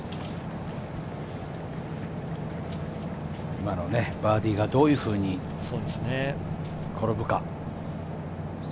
今のバーディーがどういうふうに転ぶか。